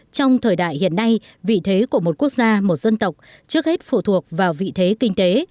trong thời đại hiện nay vị thế của một quốc gia một dân tộc trước hết phụ thuộc vào vị thế kinh tế